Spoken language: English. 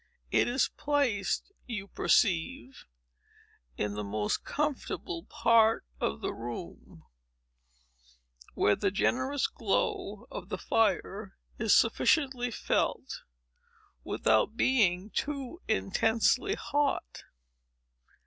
It is placed, you perceive, in the most comfortable part of the room, where the generous glow of the fire is sufficiently felt, without being too intensely hot.